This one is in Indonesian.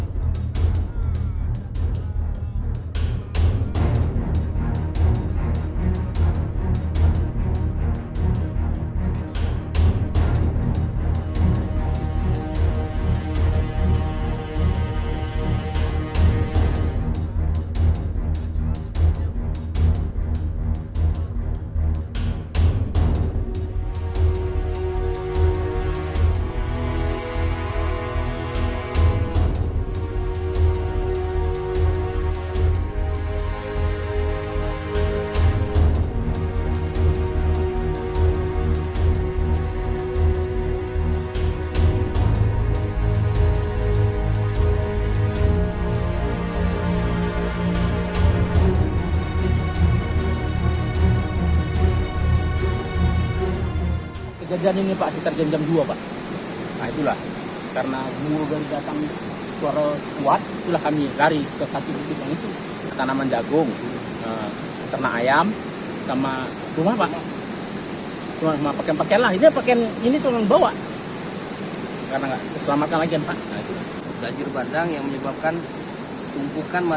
jangan lupa like share dan subscribe ya